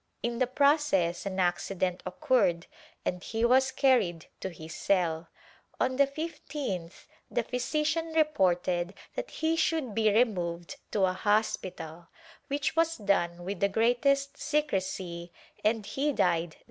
In the process an "accident" occurred and he was carried to his cell. On the 15th the physician reported that he should be removed to a hospital, which was done with the greatest secrecy and he died there.